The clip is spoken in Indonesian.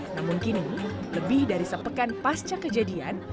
namun kini lebih dari sepekan pasca kejadian